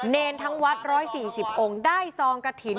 เนรทั้งวัด๑๔๐องค์ได้ซองกระถิ่น